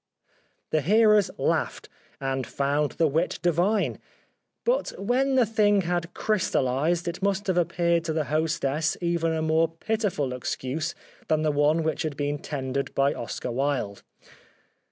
" The hearers laughed and found the wit divine ; but when the thing had crystallised it must have appeared to the hostess even a more pitiful excuse than the one which had been tendered by Oscar Wilde.